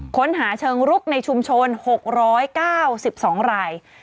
ค้นหาเชิงรุกในชุมชน๖๙๒ราย